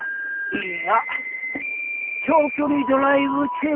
いいや長距離ドライブ中たい。